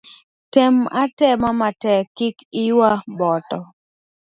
Tem atema matek kik iywa boto